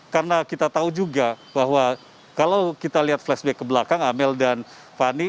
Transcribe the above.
karena kita tahu juga bahwa kalau kita lihat flashback ke belakang amel dan fani